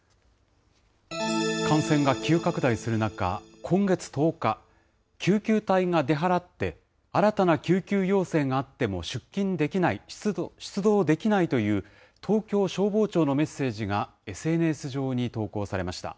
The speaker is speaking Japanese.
感染が急拡大する中、今月１０日、救急隊が出払って新たな救急要請があっても出動できないという東京消防庁のメッセージがＳＮＳ上に投稿されました。